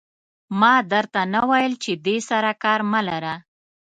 ما در ته نه ویل چې دې سره کار مه لره.